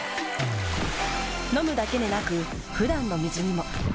飲むだけでなく普段の水にも。